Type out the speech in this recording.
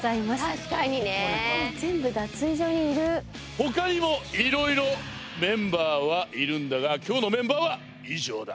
確かにね。ほかにもいろいろメンバーはいるんだが今日のメンバーは以上だ。